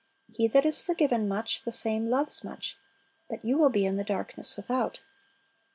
He that is forgiven much, the same loves much. But you will be in the darkness without.